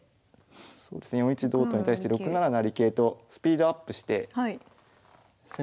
そうですね４一同と金に対して６七成桂とスピードアップして攻めてきましたね。